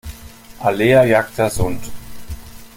Alea jacta sunt.